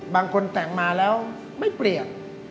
บางคนแต่งมาแล้วไม่เปลี่ยน